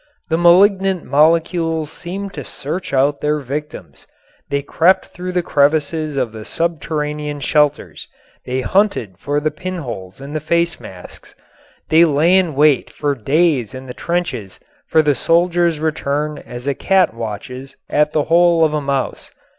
The malignant molecules seemed to search out their victims. They crept through the crevices of the subterranean shelters. They hunted for the pinholes in the face masks. They lay in wait for days in the trenches for the soldiers' return as a cat watches at the hole of a mouse.